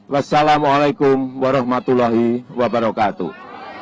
wassalamu'alaikum warahmatullahi wabarakatuh